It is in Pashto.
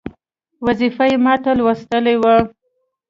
وظیفه یې ماته لوستل وه.